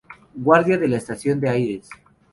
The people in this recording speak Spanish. Guardia de la estación de Aries.